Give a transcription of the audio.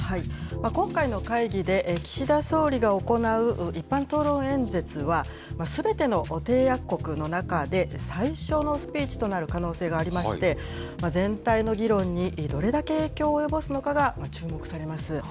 今回の会議で、岸田総理が行う一般討論演説は、すべての締約国の中で最初のスピーチとなる可能性がありまして、全体の議論にどれだけ影響を及ぼすのかが注目されます。